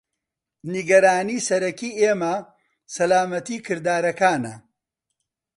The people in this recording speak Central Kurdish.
نیگەرانی سەرەکی ئێمە سەلامەتی کردارەکانە.